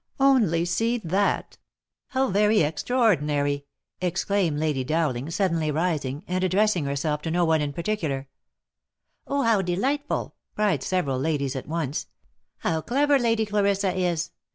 *• Only see that ! How very extraordinary !" exclaimed Lady Dowling, suddenly rising, and addressing herself to no one in parti cular. "Oh! how delightful!" cried several ladies at once. "How clever Lady Clarissa is